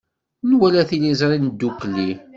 Nwala tiliẓri ddukkli.